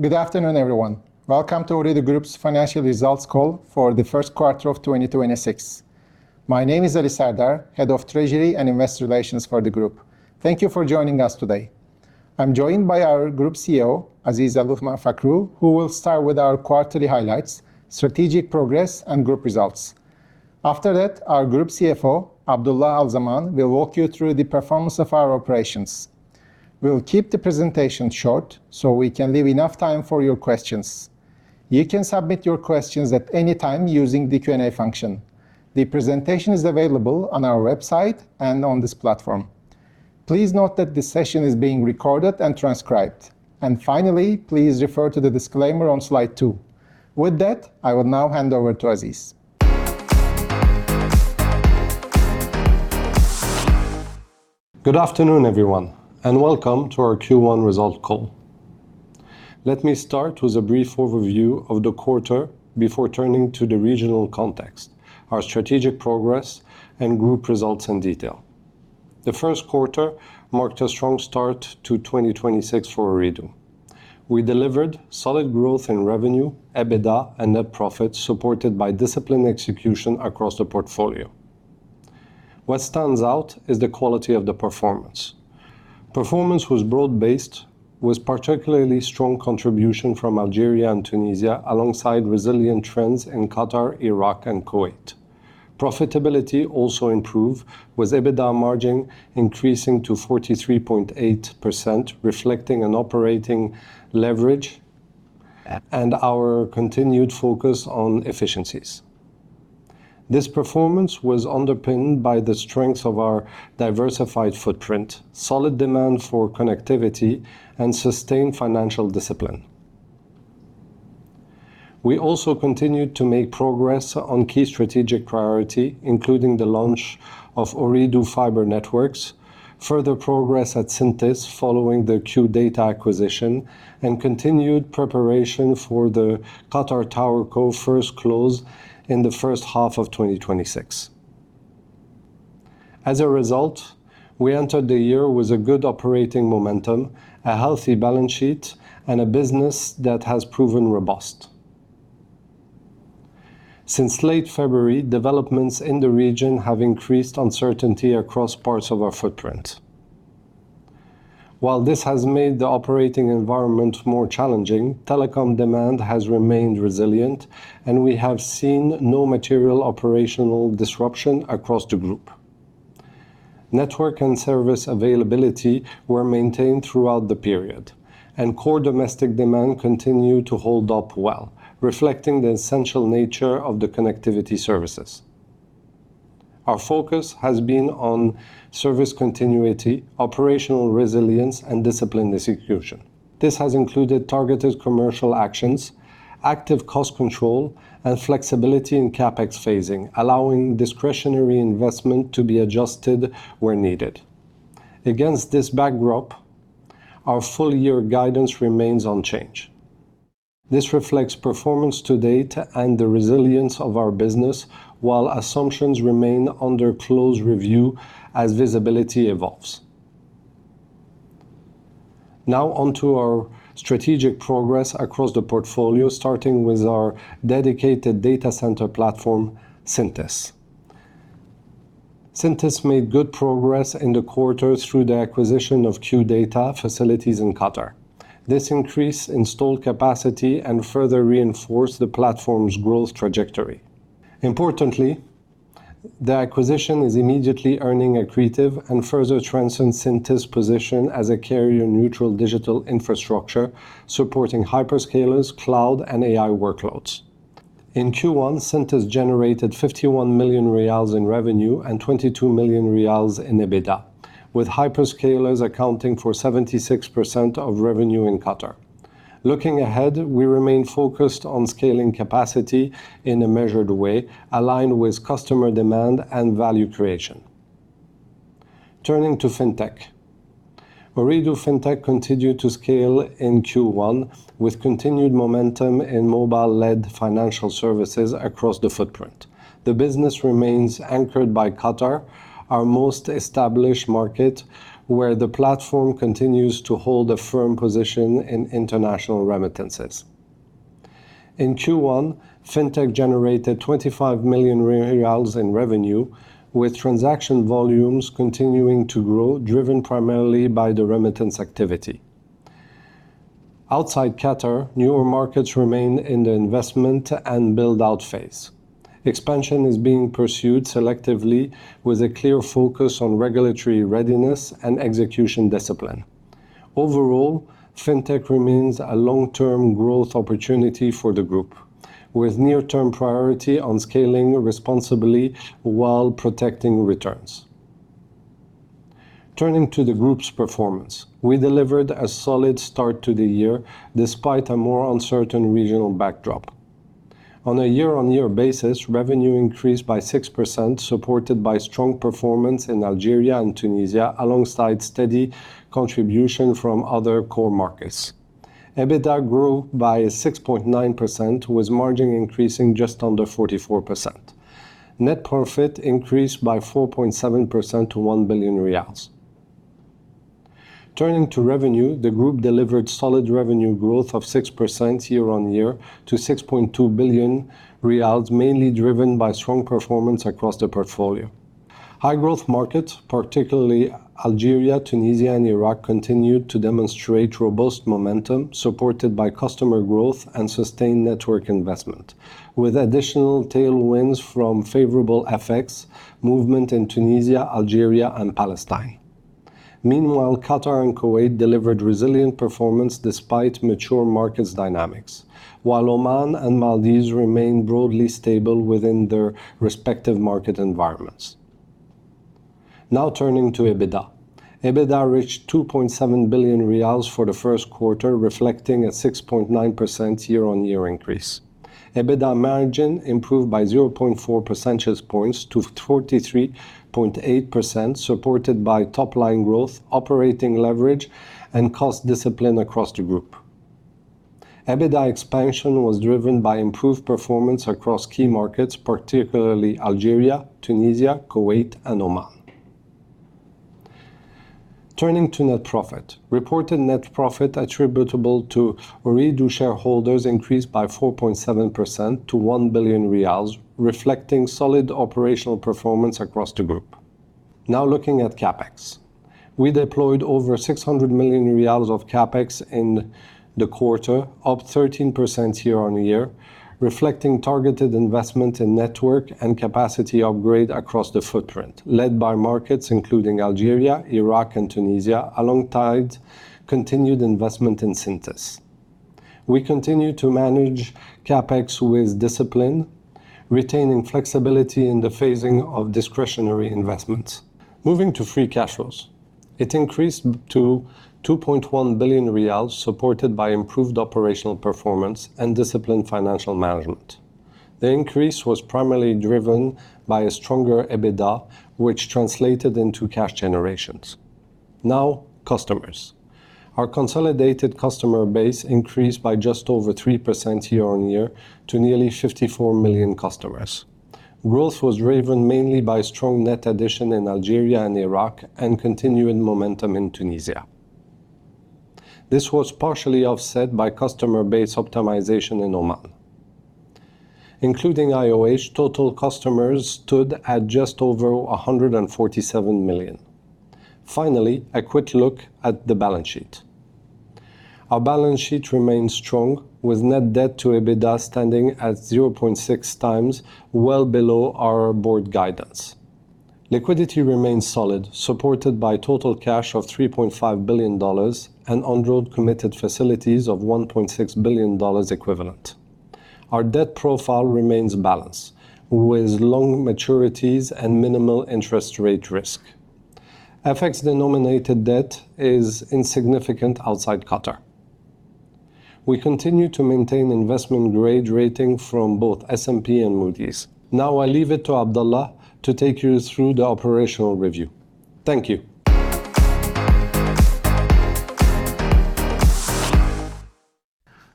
Good afternoon, everyone. Welcome to Ooredoo Group's financial results call for the first quarter of 2026. My name is Ali Serdar, Head of Treasury and Investor Relations for the Group. Thank you for joining us today. I'm joined by our Group CEO, Aziz Aluthman Fakhroo, who will start with our quarterly highlights, strategic progress, and group results. After that, our Group CFO, Abdulla Al-Zaman, will walk you through the performance of our operations. We will keep the presentation short, so we can leave enough time for your questions. You can submit your questions at any time using the Q&A function. The presentation is available on our website and on this platform. Please note that this session is being recorded and transcribed. Finally, please refer to the disclaimer on slide two. With that, I will now hand over to Aziz. Good afternoon, everyone, and welcome to our Q1 result call. Let me start with a brief overview of the quarter before turning to the regional context, our strategic progress, and group results in detail. The first quarter marked a strong start to 2026 for Ooredoo. We delivered solid growth in revenue, EBITDA, and net profit, supported by disciplined execution across the portfolio. What stands out is the quality of the performance. Performance was broad-based, with particularly strong contribution from Algeria and Tunisia alongside resilient trends in Qatar, Iraq, and Kuwait. Profitability also improved, with EBITDA margin increasing to 43.8%, reflecting an operating leverage and our continued focus on efficiencies. This performance was underpinned by the strength of our diversified footprint, solid demand for connectivity, and sustained financial discipline. We also continued to make progress on key strategic priority, including the launch of Ooredoo Fibre Networks, further progress at Syntys following the Q Data acquisition, and continued preparation for the Qatar TowerCo. First close in the first half of 2026. As a result, we entered the year with a good operating momentum, a healthy balance sheet, and a business that has proven robust. Since late February, developments in the region have increased uncertainty across parts of our footprint. While this has made the operating environment more challenging, telecom demand has remained resilient, and we have seen no material operational disruption across the group. Network and service availability were maintained throughout the period, and core domestic demand continued to hold up well, reflecting the essential nature of the connectivity services. Our focus has been on service continuity, operational resilience, and disciplined execution. This has included targeted commercial actions, active cost control, and flexibility in CapEx phasing, allowing discretionary investment to be adjusted where needed. Against this backdrop, our full year guidance remains unchanged. This reflects performance to-date and the resilience of our business, while assumptions remain under close review as visibility evolves. On to our strategic progress across the portfolio, starting with our dedicated data center platform, Syntys. Syntys made good progress in the quarter through the acquisition of Q Data facilities in Qatar. This increased installed capacity and further reinforced the platform's growth trajectory. The acquisition is immediately earnings accretive and further transcends Syntys position as a carrier-neutral digital infrastructure supporting hyperscalers, cloud, and AI workloads. In Q1, Syntys generated 51 million riyals in revenue and 22 million riyals in EBITDA, with hyperscalers accounting for 76% of revenue in Qatar. Looking ahead, we remain focused on scaling capacity in a measured way, aligned with customer demand and value creation. Turning to Fintech. Ooredoo Fintech continued to scale in Q1 with continued momentum in mobile-led financial services across the footprint. The business remains anchored by Qatar, our most established market, where the platform continues to hold a firm position in international remittances. In Q1, Fintech generated QAR 25 million in revenue, with transaction volumes continuing to grow, driven primarily by the remittance activity. Outside Qatar, newer markets remain in the investment and build-out phase. Expansion is being pursued selectively with a clear focus on regulatory readiness and execution discipline. Overall, Fintech remains a long-term growth opportunity for the group, with near-term priority on scaling responsibly while protecting returns. Turning to the group's performance. We delivered a solid start to the year despite a more uncertain regional backdrop. On a year-on-year basis, revenue increased by 6%, supported by strong performance in Algeria and Tunisia, alongside steady contribution from other core markets. EBITDA grew by 6.9% with margin increasing just under 44%. Net profit increased by 4.7% to 1 billion riyals. Turning to revenue, the group delivered solid revenue growth of 6% year-on-year to 6.2 billion riyals, mainly driven by strong performance across the portfolio. High-growth markets, particularly Algeria, Tunisia, and Iraq, continued to demonstrate robust momentum supported by customer growth and sustained network investment, with additional tailwinds from favorable FX movement in Tunisia, Algeria, and Palestine. Meanwhile, Qatar and Kuwait delivered resilient performance despite mature markets dynamics, while Oman and Maldives remain broadly stable within their respective market environments. Now turning to EBITDA. EBITDA reached 2.7 billion riyals for the first quarter, reflecting a 6.9% year-on-year increase. EBITDA margin improved by 0.4 percentage points to 43.8%, supported by top-line growth, operating leverage, and cost discipline across the Group. EBITDA expansion was driven by improved performance across key markets, particularly Algeria, Tunisia, Kuwait, and Oman. Turning to net profit. Reported net profit attributable to Ooredoo shareholders increased by 4.7% to 1 billion riyals, reflecting solid operational performance across the Group. Now looking at CapEx. We deployed over QAR 600 million of CapEx in the quarter, up 13% year-on-year, reflecting targeted investment in network and capacity upgrade across the footprint, led by markets including Algeria, Iraq, and Tunisia, alongside continued investment in Syntys. We continue to manage CapEx with discipline, retaining flexibility in the phasing of discretionary investments. Moving to free cash flows. It increased to 2.1 billion riyals, supported by improved operational performance and disciplined financial management. The increase was primarily driven by a stronger EBITDA, which translated into cash generations. Customers. Our consolidated customer base increased by just over 3% year-on-year to nearly 54 million customers. Growth was driven mainly by strong net addition in Algeria and Iraq and continuing momentum in Tunisia. This was partially offset by customer base optimization in Oman. Including IOH, total customers stood at just over 147 million. A quick look at the balance sheet. Our balance sheet remains strong, with net debt to EBITDA standing at 0.6 times, well below our board guidance. Liquidity remains solid, supported by total cash of $3.5 billion and undrawn committed facilities of $1.6 billion equivalent. Our debt profile remains balanced, with long maturities and minimal interest rate risk. FX-denominated debt is insignificant outside Qatar. We continue to maintain investment grade rating from both S&P and Moody's. Now I leave it to Abdulla to take you through the operational review. Thank you.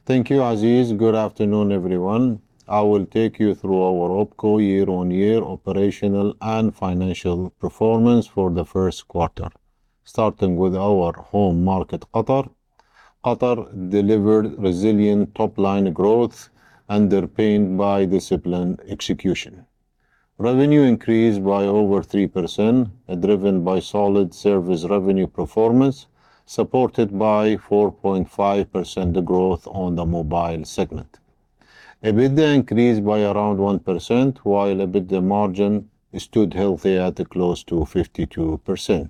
Thank you, Aziz. Good afternoon, everyone. I will take you through our OpCo year-on-year operational and financial performance for the first quarter. Starting with our home market, Qatar. Qatar delivered resilient top-line growth underpinned by disciplined execution. Revenue increased by over 3%, driven by solid service revenue performance, supported by 4.5% growth on the mobile segment. EBITDA increased by around 1%, while EBITDA margin stood healthy at close to 52%,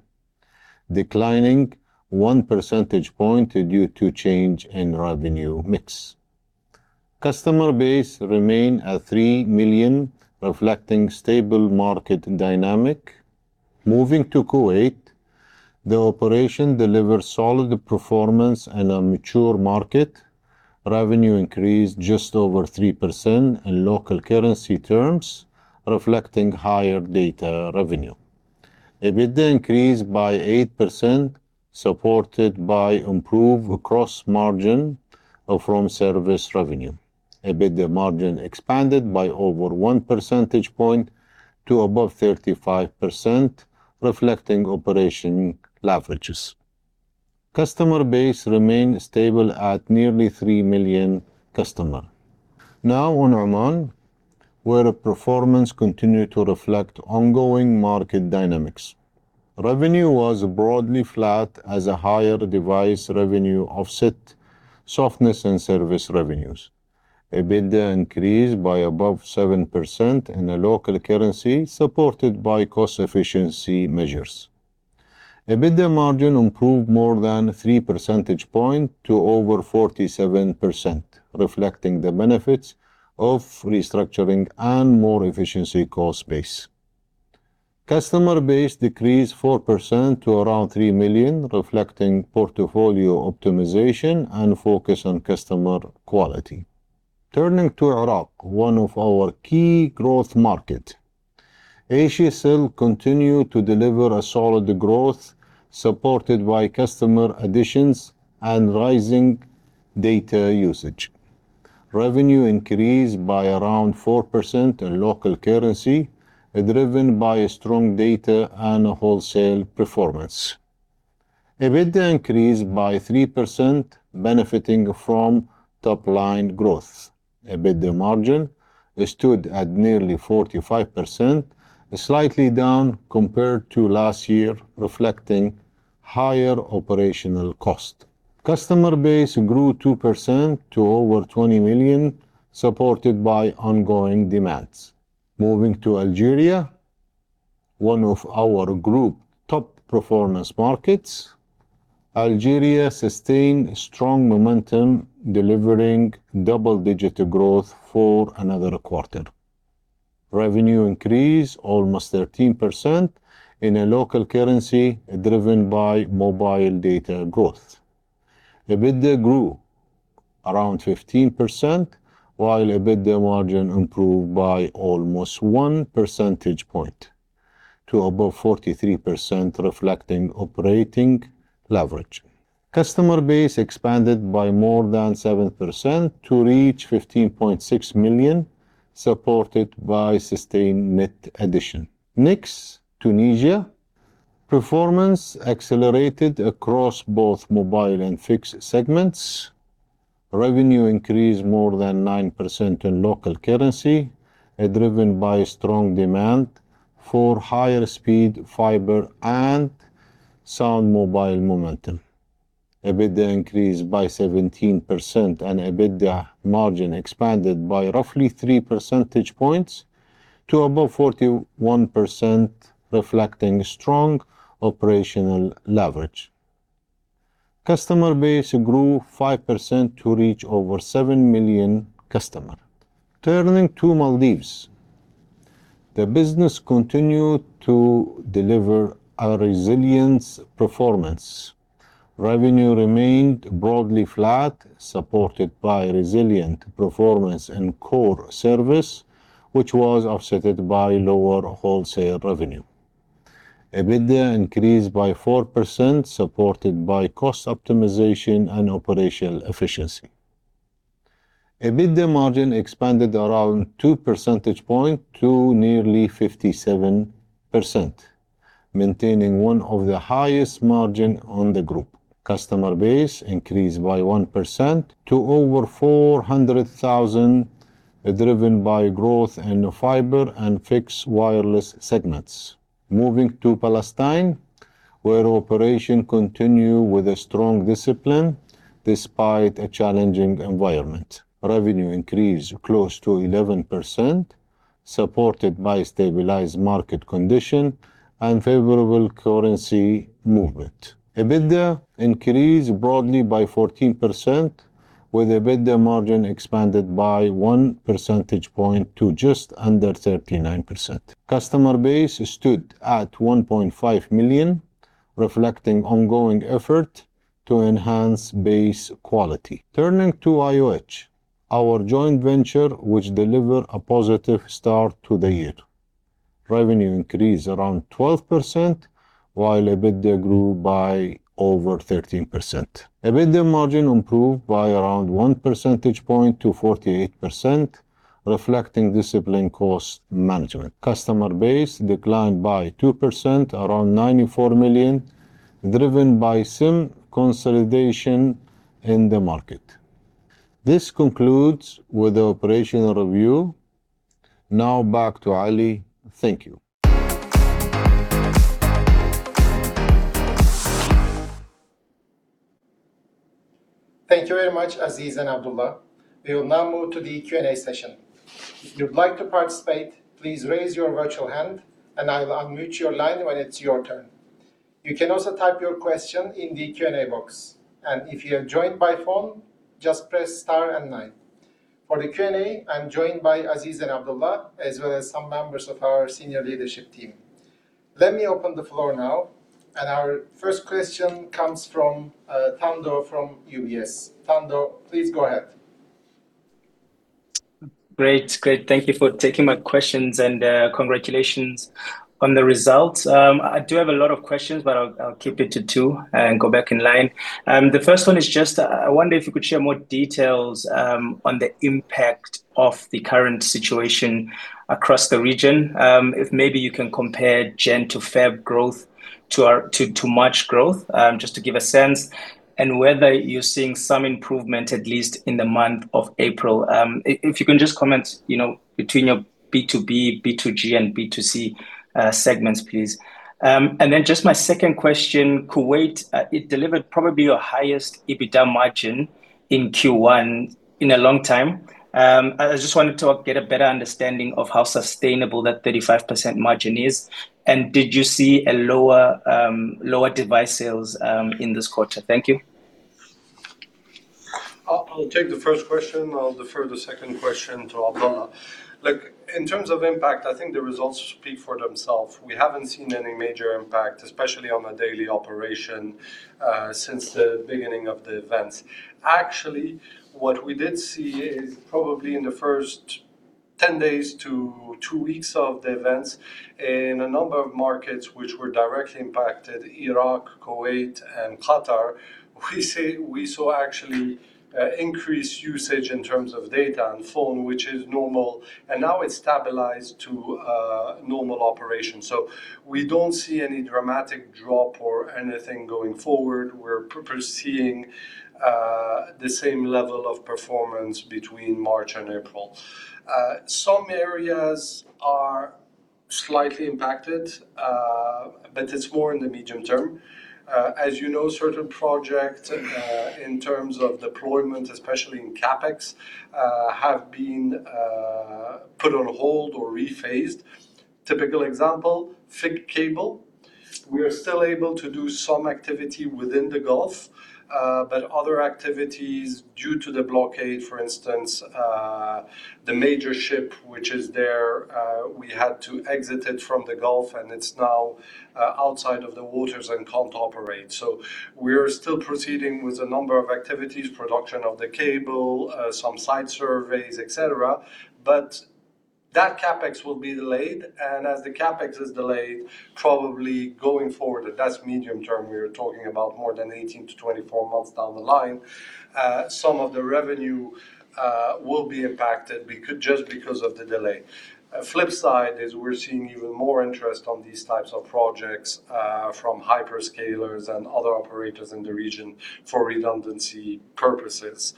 declining 1 percentage point due to change in revenue mix. Customer base remain at 3 million, reflecting stable market dynamic. Moving to Kuwait, the operation delivered solid performance in a mature market. Revenue increased just over 3% in local currency terms, reflecting higher data revenue. EBITDA increased by 8%, supported by improved gross margin from service revenue. EBITDA margin expanded by over 1 percentage point to above 35%, reflecting operation leverages. Customer base remained stable at nearly 3 million customer. On Oman, where performance continued to reflect ongoing market dynamics. Revenue was broadly flat as a higher device revenue offset softness in service revenues. EBITDA increased by above 7% in the local currency, supported by cost efficiency measures. EBITDA margin improved more than 3 percentage point to over 47%, reflecting the benefits of restructuring and more efficiency cost base. Customer base decreased 4% to around 3 million, reflecting portfolio optimization and focus on customer quality. Turning to Iraq, one of our key growth market. Asiacell continued to deliver a solid growth supported by customer additions and rising data usage. Revenue increased by around 4% in local currency, driven by a strong data and a wholesale performance. EBITDA increased by 3%, benefiting from top line growth. EBITDA margin stood at nearly 45%, slightly down compared to last year, reflecting higher operational cost. Customer base grew 2% to over 20 million, supported by ongoing demands. Moving to Algeria, one of our Group top performance markets. Algeria sustained strong momentum, delivering double-digit growth for another quarter. Revenue increased almost 13% in a local currency driven by mobile data growth. EBITDA grew around 15%, while EBITDA margin improved by almost 1 percentage point to above 43%, reflecting operating leverage. Customer base expanded by more than 7% to reach 15.6 million, supported by sustained net addition. Next, Tunisia. Performance accelerated across both mobile and fixed segments. Revenue increased more than 9% in local currency, driven by strong demand for higher speed fiber and sound mobile momentum. EBITDA increased by 17%. EBITDA margin expanded by roughly three percentage points to above 41%, reflecting strong operational leverage. Customer base grew 5% to reach over 7 million customers. Turning to Maldives. The business continued to deliver a resilient performance. Revenue remained broadly flat, supported by resilient performance and core service, which was offset by lower wholesale revenue. EBITDA increased by 4%, supported by cost optimization and operational efficiency. EBITDA margin expanded around 2 percentage points to nearly 57%, maintaining one of the highest margins on the group. Customer base increased by 1% to over 400,000, driven by growth in the fiber and fixed wireless segments. Moving to Palestine, where operations continue with a strong discipline despite a challenging environment. Revenue increased close to 11%, supported by stabilized market conditions and favorable currency movement. EBITDA increased broadly by 14%, with EBITDA margin expanded by 1 percentage point to just under 39%. Customer base stood at 1.5 million, reflecting ongoing effort to enhance base quality. Turning to IOH, our joint venture which deliver a positive start to the year. Revenue increased around 12%, while EBITDA grew by over 13%. EBITDA margin improved by around 1 percentage point to 48%, reflecting disciplined cost management. Customer base declined by 2%, around 94 million, driven by SIM consolidation in the market. This concludes with the operational review. Back to Ali. Thank you. Thank you very much, Aziz and Abdulla. We will now move to the Q&A session. If you'd like to participate, please raise your virtual hand, and I will unmute your line when it's your turn. You can also type your question in the Q&A box. If you have joined by phone, just press star and nine. For the Q&A, I'm joined by Aziz and Abdulla, as well as some members of our senior leadership team. Let me open the floor now. Our first question comes from Thando from UBS. Thando, please go ahead. Great. Great, thank you for taking my questions, congratulations on the results. I do have a lot of questions, but I'll keep it to two and go back in line. The first one is just, I wonder if you could share more details on the impact of the current situation across the region. If maybe you can compare January to February growth to March growth, just to give a sense and whether you're seeing some improvement, at least in the month of April. If you can just comment, you know, between your B2B, B2G, and B2C segments, please. Just my second question, Kuwait, it delivered probably your highest EBITDA margin in Q1 in a long time. I just wanted to get a better understanding of how sustainable that 35% margin is, and did you see a lower device sales, in this quarter? Thank you. I'll take the first question. I'll defer the second question to Abdulla. Like, in terms of impact, I think the results speak for themselves. We haven't seen any major impact, especially on the daily operation since the beginning of the events. Actually, what we did see is probably in the first 10 days to two weeks of the events in a number of markets which were directly impacted Iraq, Kuwait and Qatar, we saw actually increased usage in terms of data and phone, which is normal, and now it's stabilized to normal operation. We don't see any dramatic drop or anything going forward. We're proceeding the same level of performance between March and April. Some areas are slightly impacted, but it's more in the medium term. As you know, certain projects, in terms of deployment, especially in CapEx, have been put on hold or rephased. Typical example, FIG Cable. We are still able to do some activity within the Gulf, but other activities due to the blockade, for instance, the major ship which is there, we had to exit it from the Gulf and it's now outside of the waters and can't operate. We are still proceeding with a number of activities, production of the cable, some site surveys, et cetera. That CapEx will be delayed. As the CapEx is delayed, probably going forward, that's medium term, we are talking about more than 18-24 months down the line. Some of the revenue will be impacted just because of the delay. Flip side is we're seeing even more interest on these types of projects from hyperscalers and other operators in the region for redundancy purposes.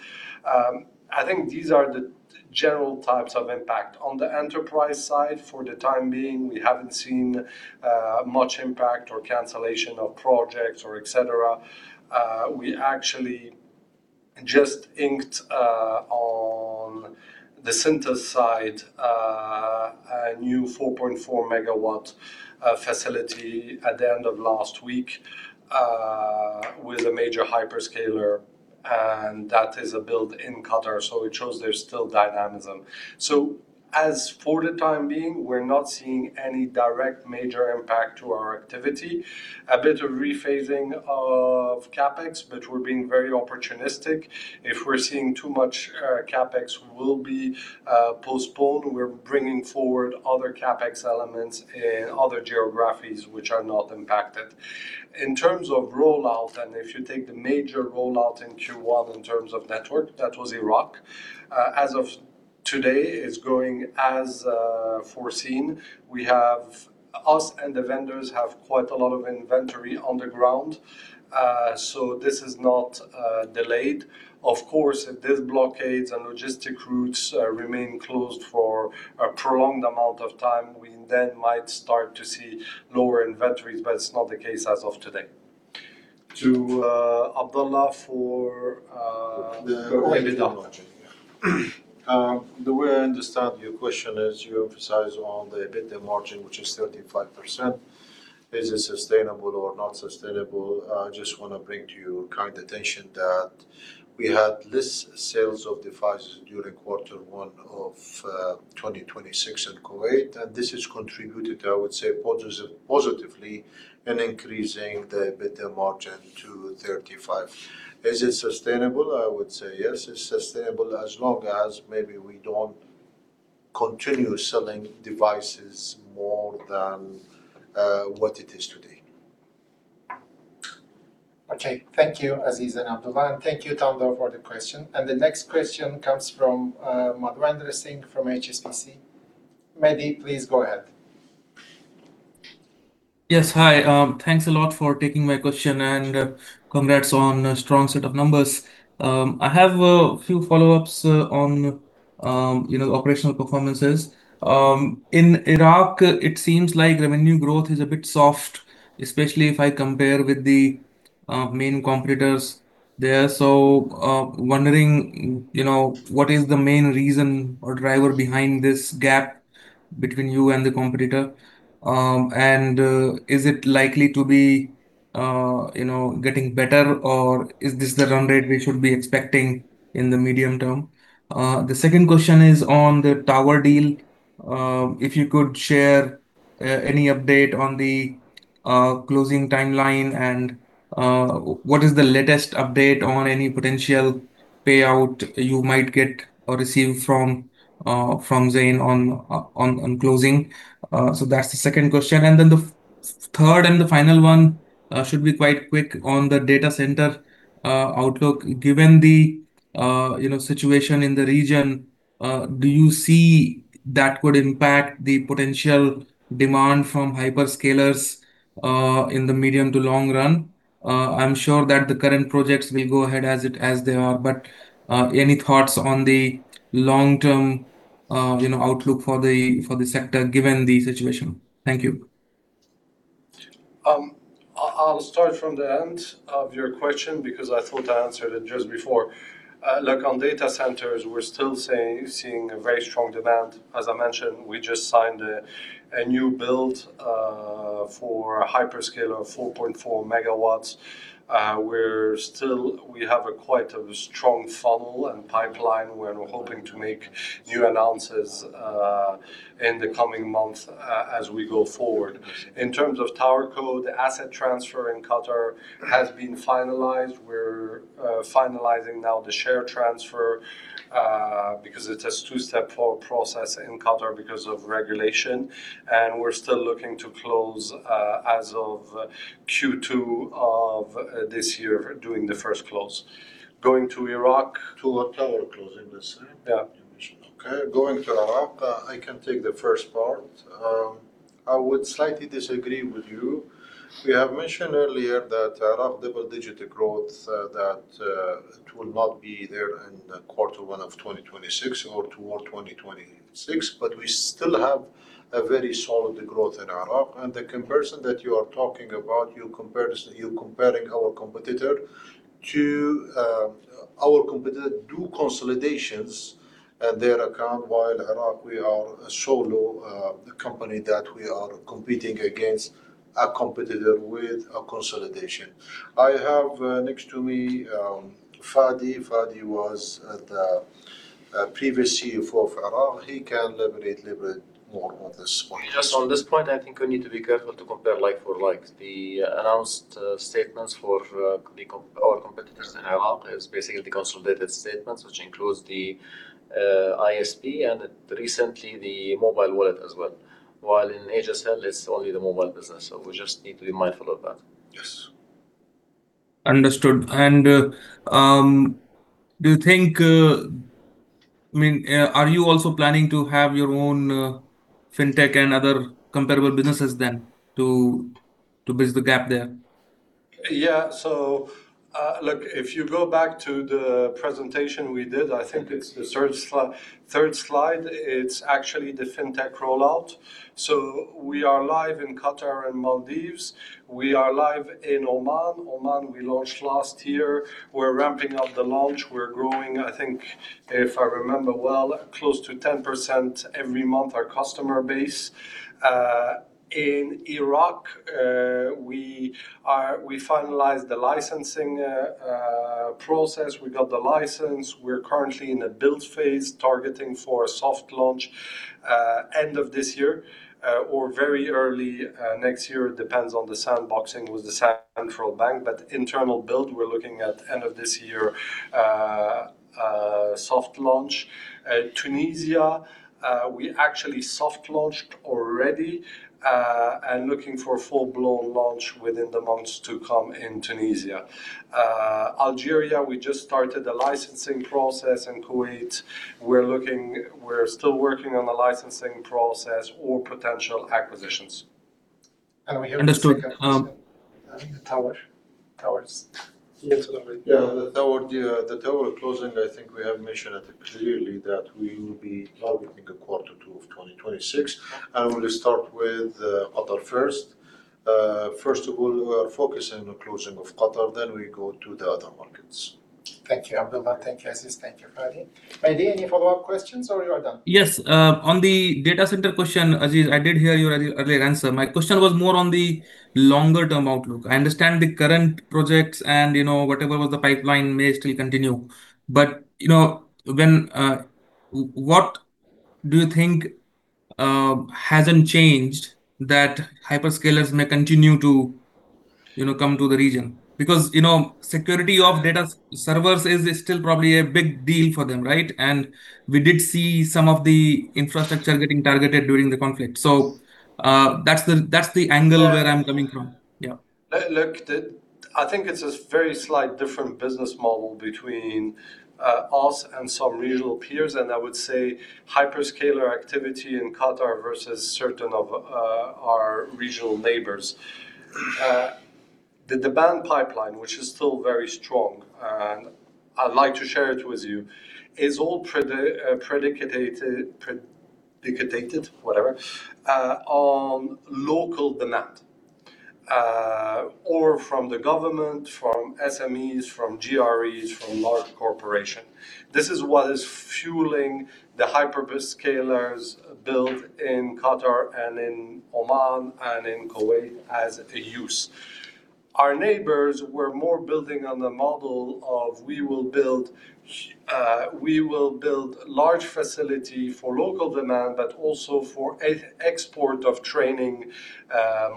I think these are the general types of impact. On the enterprise side, for the time being, we haven't seen much impact or cancellation of projects or et cetera. We actually just inked on the Syntys side a new 4.4MW facility at the end of last week with a major hyperscaler, and that is a build in Qatar. It shows there's still dynamism. As for the time being, we're not seeing any direct major impact to our activity. A bit of rephasing of CapEx, but we're being very opportunistic. If we're seeing too much CapEx will be postponed, we're bringing forward other CapEx elements in other geographies which are not impacted. In terms of rollout, and if you take the major rollout in Q1 in terms of network, that was Iraq. As of today, it's going as foreseen. Us and the vendors have quite a lot of inventory on the ground. This is not delayed. Of course, if these blockades and logistic routes remain closed for a prolonged amount of time, we then might start to see lower inventories, but it's not the case as of today. To Abdulla for the EBITDA margin. The way I understand your question is you emphasize on the EBITDA margin, which is 35%. Is it sustainable or not sustainable? I just want to bring to your kind attention that we had less sales of devices during quarter one of 2026 in Kuwait, and this has contributed, I would say, positively in increasing the EBITDA margin to 35. Is it sustainable? I would say yes, it's sustainable as long as maybe we don't continue selling devices more than what it is today. Okay. Thank you, Aziz and Abdulla. Thank you, Thando, for the question. The next question comes from Madhvendra Singh from HSBC. Maddy, please go ahead. Yes. Hi. Thanks a lot for taking my question and congrats on a strong set of numbers. I have a few follow-ups on, you know, operational performances. In Iraq, it seems like revenue growth is a bit soft, especially if I compare with the main competitors there. Wondering, you know, what is the main reason or driver behind this gap between you and the competitor? Is it likely to be, you know, getting better or is this the run rate we should be expecting in the medium term? The second question is on the tower deal. If you could share any update on the closing timeline and what is the latest update on any potential payout you might get or receive from Zain on closing? That's the second question. The third and the final one should be quite quick on the data center outlook. Given the, you know, situation in the region, do you see that could impact the potential demand from hyperscalers in the medium to long run? I'm sure that the current projects will go ahead as they are. Any thoughts on the long-term, you know, outlook for the sector given the situation? Thank you. I'll start from the end of your question because I thought I answered it just before. Look, on data centers, we're still seeing a very strong demand. As I mentioned, we just signed a new build for hyperscaler of 4.4MW. We have a quite a strong funnel and pipeline. We're hoping to make new announcements in the coming months as we go forward. In terms of TowerCo, the asset transfer in Qatar has been finalized. We're finalizing now the share transfer because it's a 2-step process in Qatar because of regulation. We're still looking to close as of Q2 of this year doing the first close. Going to Iraq. To what tower closing this, right? Yeah. Okay. Going to Iraq, I can take the first part. I would slightly disagree with you. We have mentioned earlier that Iraq double-digit growth, that it will not be there in quarter one of 2026 or toward 2026, but we still have a very solid growth in Iraq. The comparison that you are talking about, You're comparing our competitor to our competitor do consolidations, their account, while Iraq we are a solo company that we are competing against a competitor with a consolidation. I have next to me Fadi. Fadi was the previous CEO for Iraq. He can elaborate more on this point. Just on this point, I think we need to be careful to compare like-for-like. The announced statements for our competitors in Iraq is basically consolidated statements which includes the ISP and recently the mobile wallet as well. While in Asiacell it's only the mobile business, so we just need to be mindful of that. Yes. Understood. Do you think I mean, are you also planning to have your own fintech and other comparable businesses then to bridge the gap there? Look, if you go back to the presentation we did, I think it's the third slide. It's actually the Fintech rollout. We are live in Qatar and Maldives. We are live in Oman. Oman we launched last year. We're ramping up the launch. We're growing, I think if I remember well, close to 10% every month our customer base. In Iraq, we finalized the licensing process. We got the license. We're currently in a build phase targeting for a soft launch end of this year or very early next year. Depends on the sandboxing with the central bank, but internal build we're looking at end of this year soft launch. Tunisia, we actually soft launched already and looking for a full-blown launch within the months to come in Tunisia. Algeria, we just started the licensing process. In Kuwait we're still working on the licensing process or potential acquisitions. And we have- Understood. The towers. Yes. Yeah, the tower closing I think we have mentioned it clearly that we will be targeting the quarter two of 2026. We'll start with Qatar first. First of all, we are focusing on closing of Qatar, then we go to the other markets. Thank you, Abdulla. Thank you, Aziz. Thank you, Fadi. Maddy, any follow-up questions or you are done? Yes. On the data center question, Aziz, I did hear your earlier answer. My question was more on the longer term outlook. I understand the current projects and, you know, whatever was the pipeline may still continue, but, you know, what do you think hasn't changed that hyperscalers may continue to, you know, come to the region? You know, security of data servers is still probably a big deal for them, right? We did see some of the infrastructure getting targeted during the conflict. That's the angle where I'm coming from. Yeah. Look, I think it's a very slight different business model between us and some regional peers, and I would say hyperscaler activity in Qatar versus certain of our regional neighbors. The demand pipeline, which is still very strong, and I'd like to share it with you, is all predicated on local demand. Or from the government, from SMEs, from GREs, from large corporation. This is what is fueling the hyperscalers build in Qatar and in Oman and in Kuwait as a use. Our neighbors were more building on the model of we will build large facility for local demand, but also for e-export of training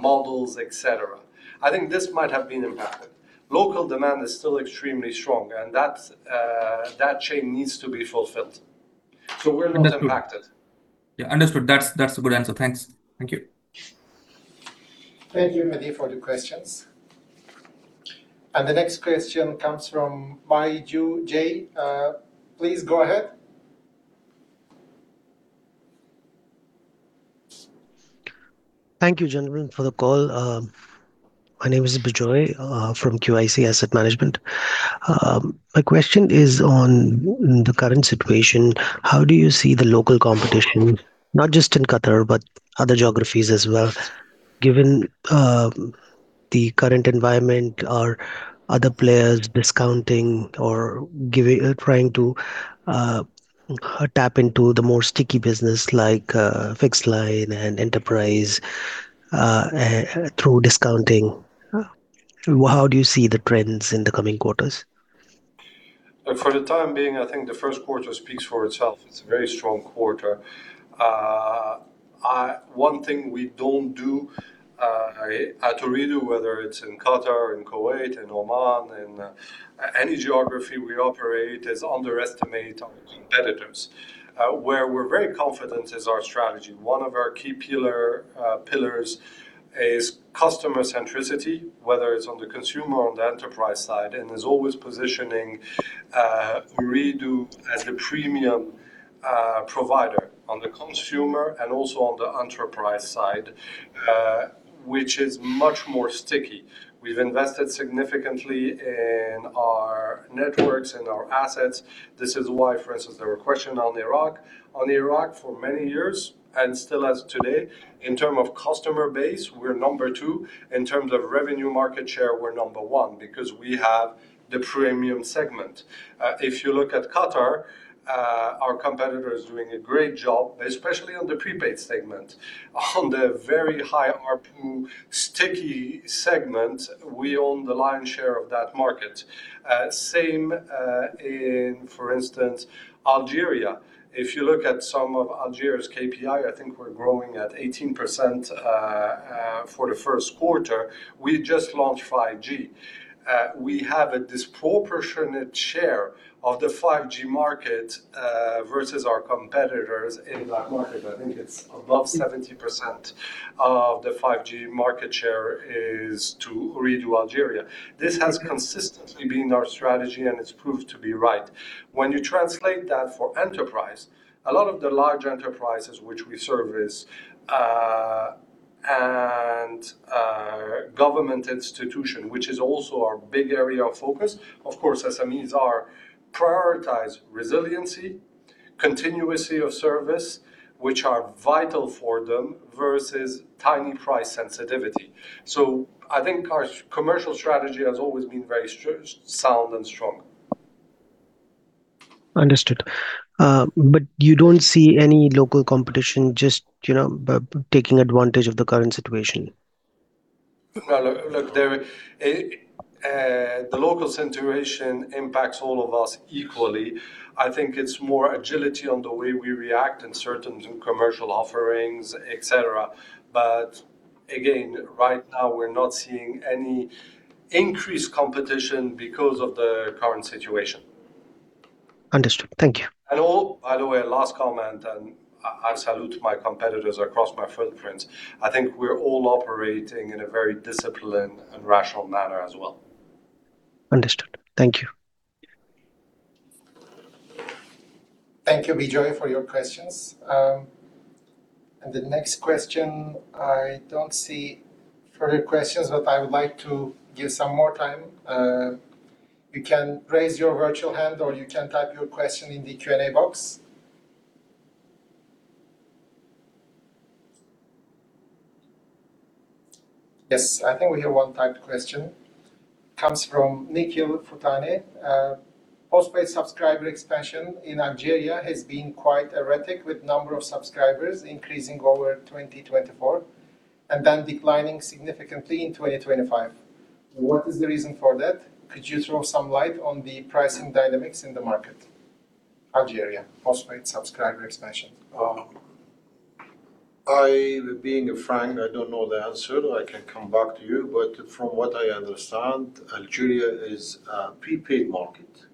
models, et cetera. I think this might have been impacted. Local demand is still extremely strong, and that chain needs to be fulfilled. We're not impacted. Yeah, understood. That's a good answer. Thanks. Thank you. Thank you, Maddy, for the questions. The next question comes from Bijoy J. Please go ahead. Thank you, gentlemen, for the call. My name is Bijoy from QIC Asset Management. My question is on the current situation. How do you see the local competition, not just in Qatar but other geographies as well, given the current environment or other players discounting or trying to tap into the more sticky business like fixed line and enterprise through discounting? How do you see the trends in the coming quarters? For the time being, I think the first quarter speaks for itself. It's a very strong quarter. One thing we don't do at Ooredoo, whether it's in Qatar, in Kuwait, in Oman, in any geography we operate is underestimate our competitors. Where we're very confident is our strategy. One of our key pillars is customer centricity, whether it's on the consumer or the enterprise side, and is always positioning Ooredoo as the premium provider on the consumer and also on the enterprise side, which is much more sticky. We've invested significantly in our networks and our assets. This is why, for instance, there were question on Iraq. On Iraq for many years, and still as today, in term of customer base, we're number 2. In terms of revenue market share, we're number 1 because we have the premium segment. If you look at Qatar, our competitor is doing a great job, especially on the prepaid segment. On the very high ARPU sticky segment, we own the lion's share of that market. Same, in, for instance, Algeria. If you look at some of Algeria's KPI, I think we're growing at 18% for the first quarter. We just launched 5G. We have a disproportionate share of the 5G market versus our competitors in that market. I think it's above 70% of the 5G market share is to Ooredoo Algeria. This has consistently been our strategy, and it's proved to be right. When you translate that for enterprise, a lot of the large enterprises which we service, and government institution, which is also our big area of focus, of course, SMEs prioritize resiliency, continuity of service, which are vital for them versus tiny price sensitivity. I think our commercial strategy has always been very sound and strong. Understood. You don't see any local competition just, you know, taking advantage of the current situation? No, look, there the local situation impacts all of us equally. I think it's more agility on the way we react in certain commercial offerings, et cetera. Again, right now, we're not seeing any increased competition because of the current situation. Understood. Thank you. By the way, last comment, and I salute my competitors across my footprints. I think we're all operating in a very disciplined and rational manner as well. Understood. Thank you. Thank you, Bijoy, for your questions. The next question, I don't see further questions, but I would like to give some more time. You can raise your virtual hand or you can type your question in the Q&A box. Yes, I think we have one typed question. Comes from Nikhil Bhutani. Postpaid subscriber expansion in Algeria has been quite erratic with number of subscribers increasing over 2024 and then declining significantly in 2025. What is the reason for that? Could you throw some light on the pricing dynamics in the market? Algeria, postpaid subscriber expansion. Being frank, I don't know the answer. I can come back to you. From what I understand, Algeria is a prepaid market,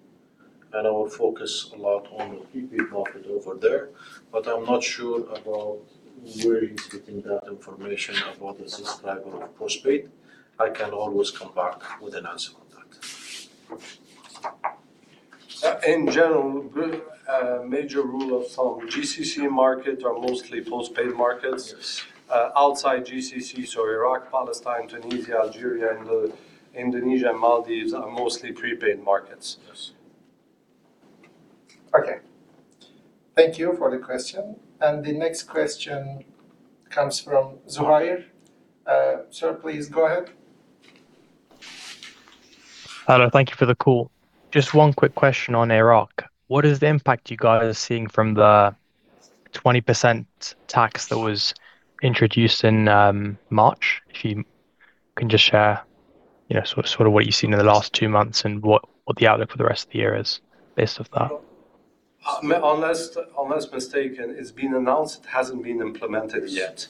and our focus a lot on the prepaid market over there. I'm not sure about where he's getting that information about the subscriber of postpaid. I can always come back with an answer on that. In general, major rule of thumb, GCC markets are mostly postpaid markets. Yes. Outside GCC, so Iraq, Palestine, Tunisia, Algeria, and Indonesia, Maldives are mostly prepaid markets. Yes. Okay. Thank you for the question. The next question comes from Zuhair. Sir, please go ahead. Hello. Thank you for the call. Just one quick question on Iraq. What is the impact you guys are seeing from the 20% tax that was introduced in March? If you can just share, you know, sort of what you've seen in the last two months and what the outlook for the rest of the year is based off that. Well, unless mistaken, it's been announced, it hasn't been implemented yet.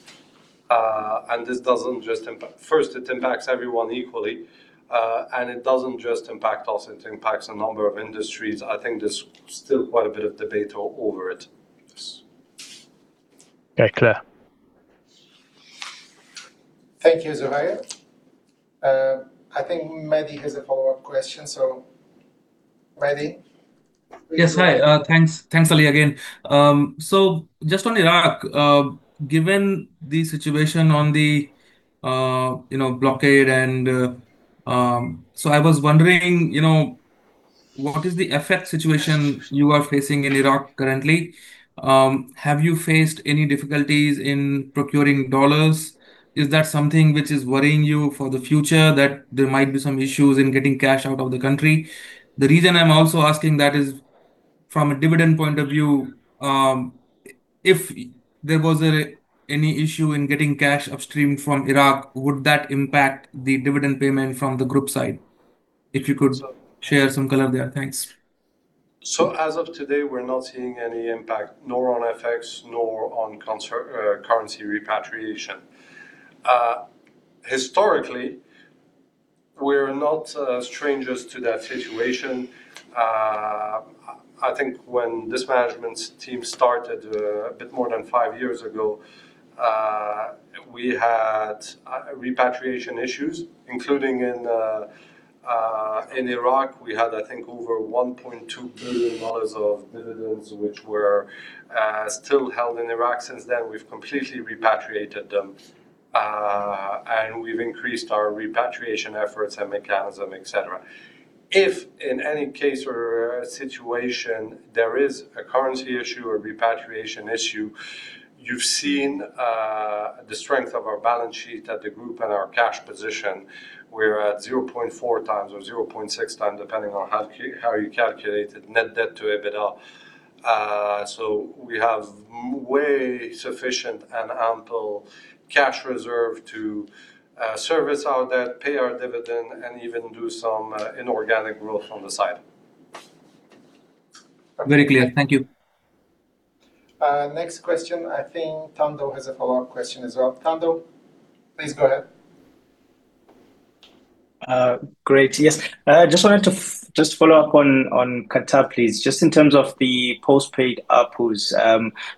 This doesn't just impact First, it impacts everyone equally. It doesn't just impact us, it impacts a number of industries. I think there's still quite a bit of debate over it. Yes. Okay. Clear. Thank you, Zuhair. I think Madhy has a follow-up question. Madhy. Yes. Hi, thanks Ali again. Just on Iraq, given the situation on the, you know, blockade and I was wondering, you know, what is the situation you are facing in Iraq currently? Have you faced any difficulties in procuring dollars? Is that something which is worrying you for the future that there might be some issues in getting cash out of the country? The reason I'm also asking that is from a dividend point of view, if there was any issue in getting cash upstream from Iraq, would that impact the dividend payment from the group side? If you could share some color there. Thanks. As of today, we're not seeing any impact nor on FX nor on currency repatriation. Historically, we're not strangers to that situation. I think when this management team started a bit more than 5 years ago, we had repatriation issues, including in Iraq. We had, I think, over $1.2 billion of dividends which were still held in Iraq. Since then, we've completely repatriated them, and we've increased our repatriation efforts and mechanism, et cetera. If in any case or situation there is a currency issue or repatriation issue, you've seen the strength of our balance sheet at the group and our cash position. We're at 0.4x or 0.6x, depending on how you calculate it, net debt to EBITDA. We have way sufficient and ample cash reserve to service our debt, pay our dividend, and even do some inorganic growth on the side. Very clear. Thank you. Next question. I think Thando has a follow-up question as well. Thando, please go ahead. Great. Yes. I just wanted to follow up on Qatar, please. Just in terms of the post-paid ARPUs,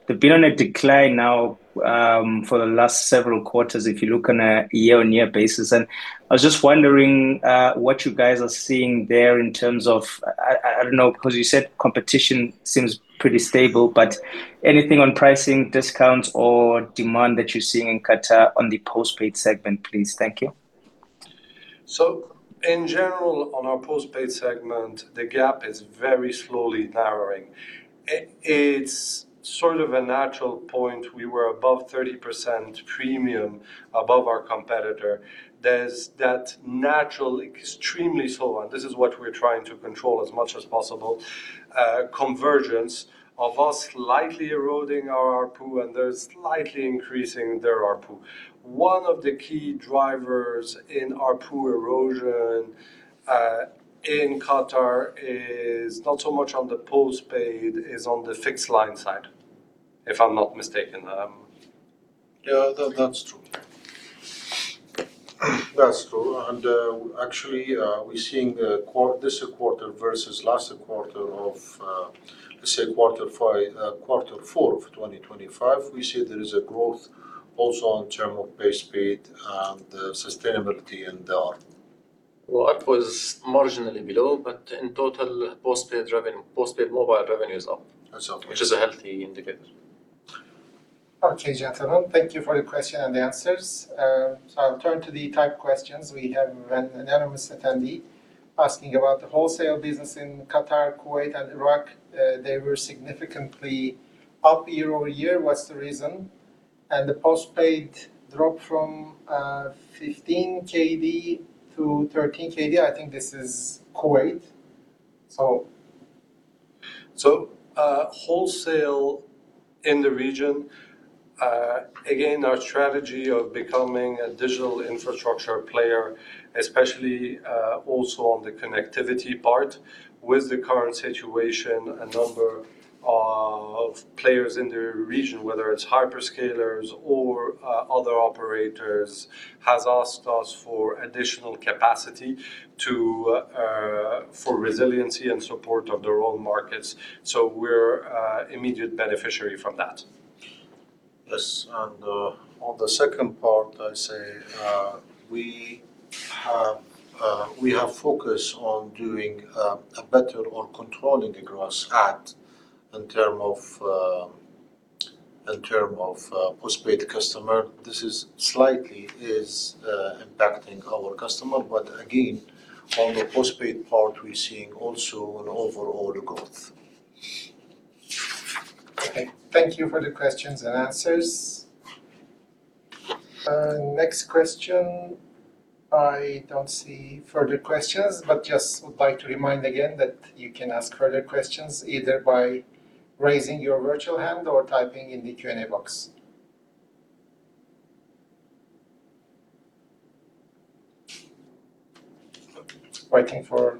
they've been on a decline now for the last several quarters if you look on a year-on-year basis. I was just wondering what you guys are seeing there in terms of I don't know, 'cause you said competition seems pretty stable, but anything on pricing, discounts or demand that you're seeing in Qatar on the post-paid segment, please? Thank you. In general, on our post-paid segment, the gap is very slowly narrowing. It's sort of a natural point. We were above 30% premium above our competitor. There's that natural extremely slow, and this is what we're trying to control as much as possible, convergence of us slightly eroding our ARPU and they're slightly increasing their ARPU. One of the key drivers in ARPU erosion in Qatar is not so much on the post-paid, is on the fixed line side, if I'm not mistaken. Yeah, that's true. That's true. Actually, we're seeing this quarter versus last quarter of, let's say quarter four of 2025, we see there is a growth also in terms of post-paid and sustainability in the ARPU. Well, ARPU was marginally below, but in total, post-paid revenue, post-paid mobile revenue is up. That's okay. which is a healthy indicator. Okay, gentlemen. Thank you for your question and answers. I'll turn to the typed questions. We have an anonymous attendee asking about the wholesale business in Qatar, Kuwait, and Iraq. They were significantly up year-over-year. What's the reason? The post-paid dropped from KWD 15 to KWD 13. I think this is Kuwait. Wholesale in the region, again, our strategy of becoming a digital infrastructure player, especially, also on the connectivity part with the current situation, a number of players in the region, whether it's hyperscalers or other operators, has asked us for additional capacity for resiliency and support of their own markets. We're immediate beneficiary from that. Yes. On the second part, I say, we have focused on doing a better or controlling the gross add in term of post-paid customer. This is slightly is impacting our customer. Again, on the post-paid part, we're seeing also an overall growth. Okay. Thank you for the questions-and-nswers. Next question. I don't see further questions, but just would like to remind again that you can ask further questions either by raising your virtual hand or typing in the Q&A box. Waiting for-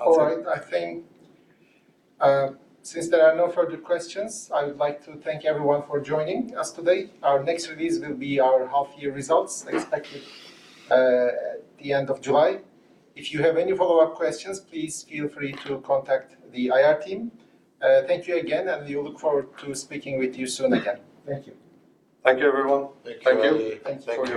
All right. I think, since there are no further questions, I would like to thank everyone for joining us today. Our next release will be our half year results expected at the end of July. If you have any follow-up questions, please feel free to contact the IR team. Thank you again, we look forward to speaking with you soon again. Thank you. Thank you, everyone. Thank you. Thank you.